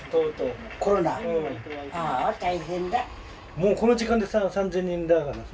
もうこの時間でさ３，０００人だからさ。